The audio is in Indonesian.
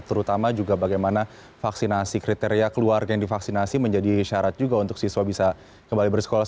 terutama juga bagaimana vaksinasi kriteria keluarga yang divaksinasi menjadi syarat juga untuk siswa bisa kembali bersekolah